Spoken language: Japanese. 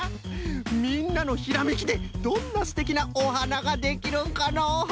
みんなのひらめきでどんなすてきなおはなができるんかのう？